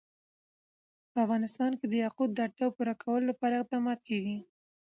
په افغانستان کې د یاقوت د اړتیاوو پوره کولو لپاره اقدامات کېږي.